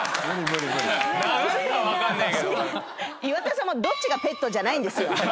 岩田さんも「どっちがペット？」じゃないんですよ。